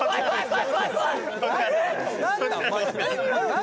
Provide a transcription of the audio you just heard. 何？